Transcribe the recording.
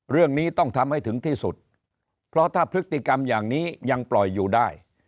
เรื่องนี้ต้องทำให้ถึงที่สุดเพราะถ้าพฤติกรรมอย่างนี้ยังปล่อยอยู่ได้